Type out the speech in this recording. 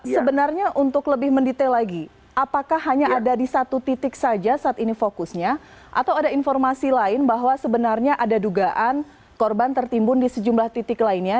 sebenarnya untuk lebih mendetail lagi apakah hanya ada di satu titik saja saat ini fokusnya atau ada informasi lain bahwa sebenarnya ada dugaan korban tertimbun di sejumlah titik lainnya